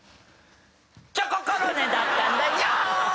チョココロネだったんだよ！